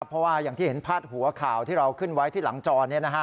เพราะว่าอย่างที่เห็นพาดหัวข่าวที่เราขึ้นไว้ที่หลังจอ